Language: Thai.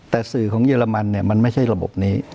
แต่สื่อของเยอรมันเนี่ยมันไม่ใช่ระบบนี้